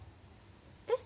えっ？